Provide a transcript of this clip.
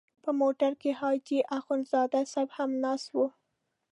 په موټر کې حاجي اخندزاده صاحب هم ناست و.